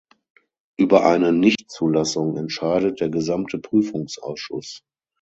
Über eine Nichtzulassung entscheidet der gesamte Prüfungsausschuss.